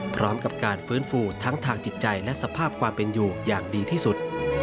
พร้อมกับการฟื้นฟูทั้งทางจิตใจและสภาพความเป็นอยู่อย่างดีที่สุด